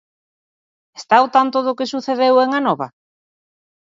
Está ao tanto do que sucede en Anova?